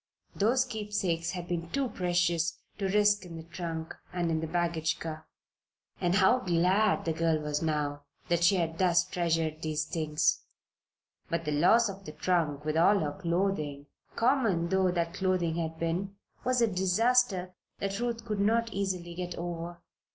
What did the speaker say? Those keepsakes had been too precious to risk in the trunk and in the baggage car. And how glad the girl was now that she had thus treasured these things. But the loss of the trunk, with all her clothing common though that clothing had been was a disaster that Ruth could not easily get over.